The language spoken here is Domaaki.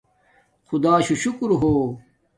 خدݳشُݸ شُکُرݸ ہݸ.